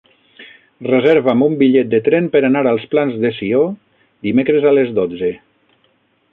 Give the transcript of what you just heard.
Reserva'm un bitllet de tren per anar als Plans de Sió dimecres a les dotze.